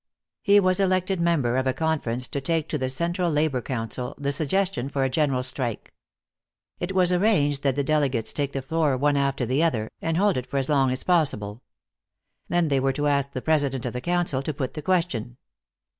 He was elected member of a conference to take to the Central Labor Council the suggestion for a general strike. It was arranged that the delegates take the floor one after the other, and hold it for as long as possible. Then they were to ask the President of the Council to put the question.